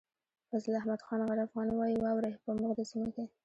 فضل احمد خان غر افغان وايي واورئ په مخ د ځمکې.